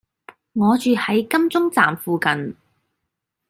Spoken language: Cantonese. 我住喺金鐘站附近